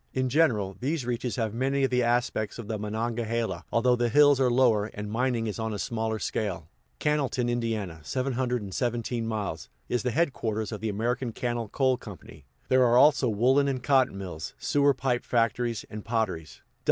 In general, these reaches have many of the aspects of the Monongahela, although the hills are lower, and mining is on a smaller scale. Cannelton, Ind. (717 miles), is the headquarters of the American Cannel Coal Co.; there are, also, woolen and cotton mills, sewer pipe factories, and potteries.